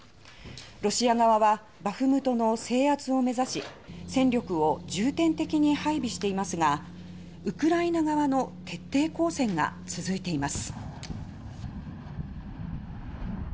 ロシア側はバフムトの制圧を目指し戦力を重点的に配備していますがウクライナ側の徹底抗戦が続いています。